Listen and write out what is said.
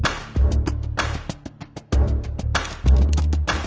ตั้งแต่เลยอรักษาทุกข่าวเรือนอรักษาทุกข่าว